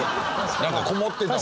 何かこもってたもん。